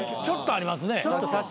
ちょっとありますね。